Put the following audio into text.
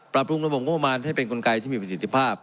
ปรับปรุงระบบงบประมาณให้เป็นกลไกที่มีประสิทธิภาพ